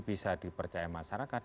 bisa dipercaya masyarakat